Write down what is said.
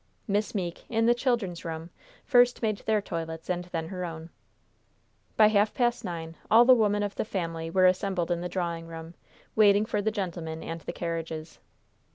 Miss Meeke, in the children's room, first made their toilets and then her own. By half past nine o'clock all the women of the family were assembled in the drawing room waiting for the gentlemen and the carriages.